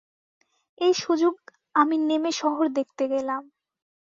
এই সুযোগ আমি নেমে শহর দেখতে গেলাম।